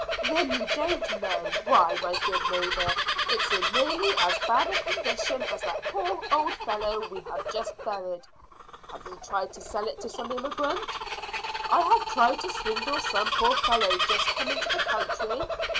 "Then you don't know. Why, my good neighbour, it's in nearly as bad a condition as that poor old fellow we have just buried." "Have you tried to sell it to some immigrant?" "Have I tried to swindle some poor fellow just come into the country?"